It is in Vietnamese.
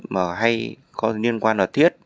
mà hay có liên quan là thiết